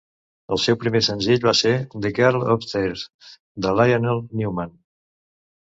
El seu primer senzill va ser The Girl Upstairs. de Lionel Newman.